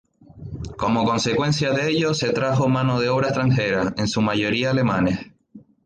Como consecuencia de ello, se trajo mano de obra extranjera, en su mayoría alemanes.